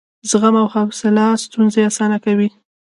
زغم او حوصله ستونزې اسانه کوي.